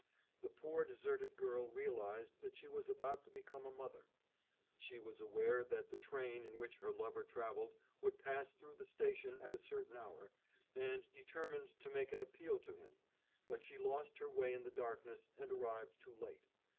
The poor deserted girl realised that she was about to become a mother; she was aware that the train in which her lover travelled would pass through the station at a certain hour, and determined to make an appeal to him, but she lost her way in the darkness and arrived too late.